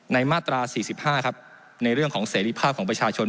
มาตรา๔๕ครับในเรื่องของเสรีภาพของประชาชน